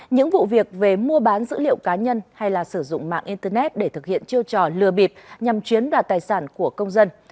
những vụ việc về mua bán dữ liệu cá nhân hay sử dụng mạng internet để thực hiện chiêu trò lừa bịp nhằm chiếm đoạt tài sản của công dân